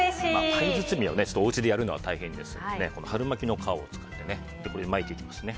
パイ包みをおうちでやるのは大変なので春巻きの皮を使って巻いていきますね。